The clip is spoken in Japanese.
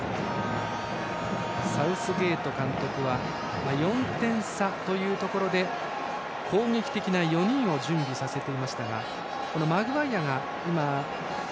サウスゲート監督は４点差というところで攻撃的な４人を準備させていましたがマグワイアが今。